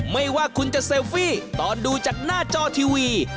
ไม่ว่าคุณจะเซลฟี่ตอนดูจากหน้าจอทีวี